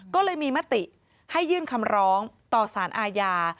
ก็เลยมีมติให้ยื่นคำร้องต่อสารอาญา